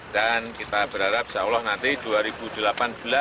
dan kita berharap insya allah nanti dua ribu delapan belas akhir jakarta semarang semarang solo